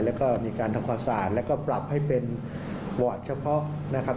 แล้วก็มีการทำความสะอาดแล้วก็ปรับให้เป็นวอร์ดเฉพาะนะครับ